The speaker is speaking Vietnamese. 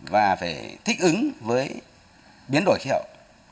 và phải thích ứng với biến đổi khí hậu